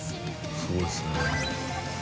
すごいですね。